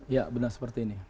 ya benar seperti ini